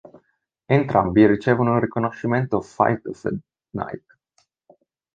Entrambi ricevono il riconoscimento "Fight of the Night".